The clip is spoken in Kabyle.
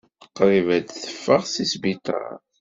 Qrib ad d-teffeɣ seg sbiṭar.